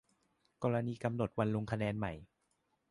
กรณีกำหนดวันลงคะแนนใหม่